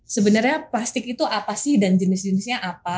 sebenarnya plastik itu apa sih dan jenis jenisnya apa